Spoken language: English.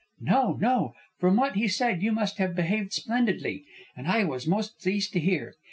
"No! no! From what he said you must have behaved splendidly. And I was most pleased to hear.